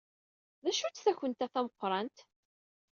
D acu-tt takunt-a tameqrant?